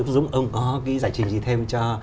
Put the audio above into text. dũng ông có cái giải trình gì thêm cho